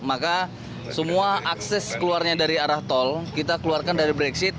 maka semua akses keluarnya dari arah tol kita keluarkan dari brexit